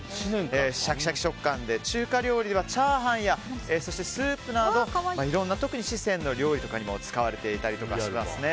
シャキシャキ食感で中華料理ではチャーハンやそしてスープなどいろいろな特に視線の料理などに使われていたりします。